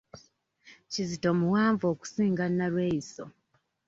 Kizito muwanvu okusinga Nalweyiso.